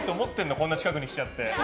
こんな近くまで来ちゃって。